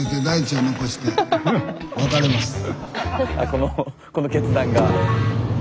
このこの決断が。